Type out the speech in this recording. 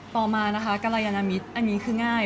ต่อมานะคะกรยานมิตรอันนี้คือง่าย